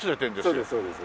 そうですそうです。